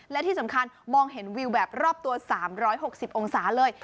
และที่สำคัญมองเห็นวิวแบบรอบตัว๓๖๐องศาเลย